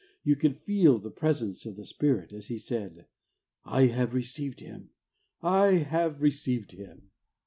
You could feel the presence of the Spirit as he said, " I have received Him ; I have received Him!"